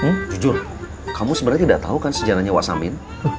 dang jujur kamu sebenernya tidak tau kan sejarahnya wak samin